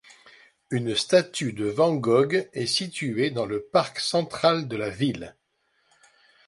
Une statue de Van Gogh est située dans le parc central de la ville.